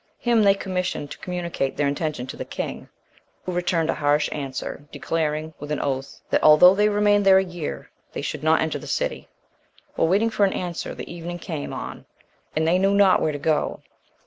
Him they commissioned to communicate their intention to the king, who returned a harsh answer, declaring, with an oath, that although they remained there a year, they should not enter the city. While waiting for an answer, the evening came on, and they knew not where to go.